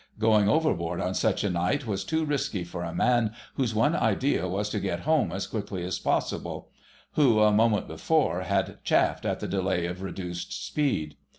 Going overboard on such a night was too risky for a man whose one idea was to get home as quickly as possible—who, a moment before, had chafed at the delay of reduced speed.